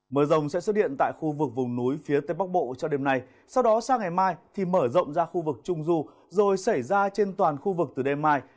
mưa rồng sẽ xuất hiện tại khu vực vùng núi phía tây bắc bộ cho đêm nay sau đó sang ngày mai thì mở rộng ra khu vực trung du rồi xảy ra trên toàn khu vực từ đêm mai